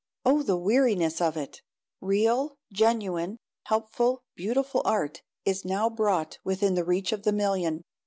Oh, the weariness of it! Real, genuine, helpful, beautiful art is now brought within reach of the million.